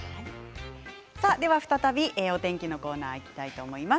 再びお天気のコーナーにいきたいと思います。